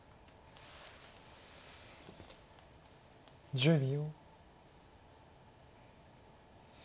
１０秒。